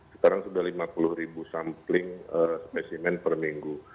sekarang sudah lima puluh ribu sampling spesimen per minggu